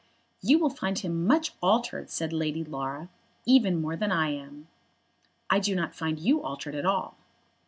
"You will find him much altered," said Lady Laura, "even more than I am." "I do not find you altered at all."